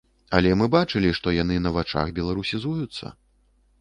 Але мы бачылі, што яны на вачах беларусізуюцца.